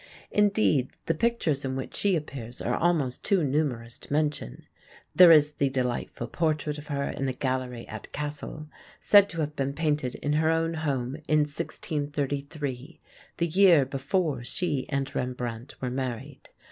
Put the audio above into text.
Indeed, the pictures in which she appears are almost too numerous to mention. There is the delightful portrait of her in the gallery at Cassel, said to have been painted in her own home in 1633, the year before she and Rembrandt were married.